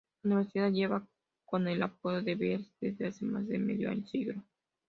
La universidad lleva con el apodo de "Bears" desde hace más de medio siglo.